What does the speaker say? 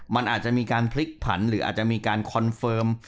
มันอาจจะมีการพลิกผันหรืออาจจะมีการคอนเฟิร์ม